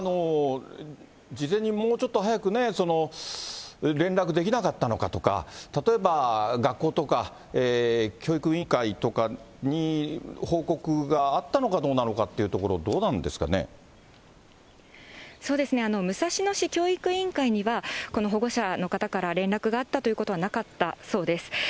事前にもうちょっと早くね、連絡できなかったのかとか、例えば学校とか教育委員会とかに報告があったのかどうなのかとい武蔵野市教育委員会には、この保護者の方から連絡があったということはなかったそうです。